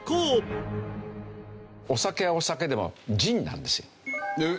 お酒はお酒でもジンなんですよ。えっ？